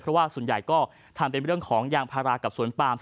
เพราะว่าส่วนใหญ่ก็ทำเป็นเรื่องของยางพารากับสวนปาม